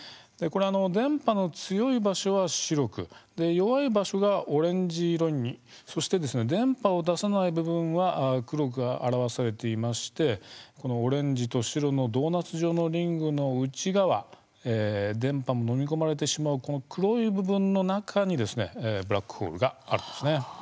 電波の強い場所は白く弱い場所がオレンジ色にそして電波を出さない部分は黒く表されていましてオレンジと白のドーナツ状のリングの内側電波も飲み込まれてしまうこの黒い部分の中にブラックホールがあるんです。